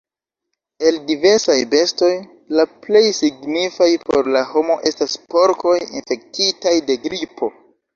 El diversaj bestoj la plej signifaj por la homo estas porkoj infektitaj de gripo.